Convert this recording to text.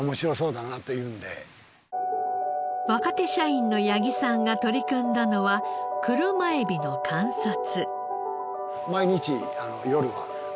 若手社員の八木さんが取り組んだのは車エビの観察。